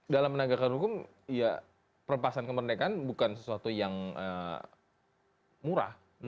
dalam penegakan hukum ya perlepasan kemerdekaan bukan sesuatu yang murah